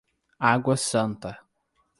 Água Santa